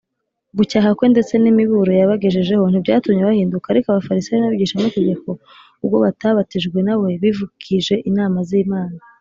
gucyaha kwe ndetse n’imiburo yabagejejeho ntibyatumye bahinduka ‘ariko abafarisayo n’abigishamategeko ubwo batabatijwe na we, bivukije inama z’imana